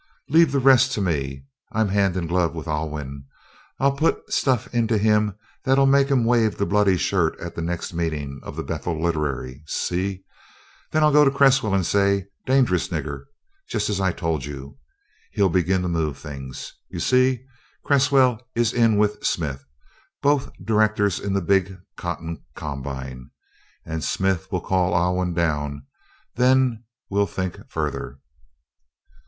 "Leave the rest to me; I'm hand in glove with Alwyn. I'll put stuff into him that'll make him wave the bloody shirt at the next meeting of the Bethel Literary see? Then I'll go to Cresswell and say, 'Dangerous nigger , just as I told you.' He'll begin to move things. You see? Cresswell is in with Smith both directors in the big Cotton Combine and Smith will call Alwyn down. Then we'll think further."